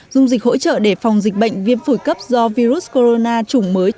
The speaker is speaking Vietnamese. dung dịch hỗ trợ để phòng dịch bệnh viêm phổi cấp do virus corona chủng mới